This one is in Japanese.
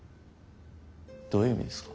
どういう意味ですか？